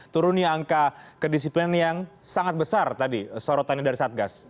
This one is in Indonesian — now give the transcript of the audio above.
turunnya angka kedisiplinan yang sangat besar tadi sorotannya dari satgas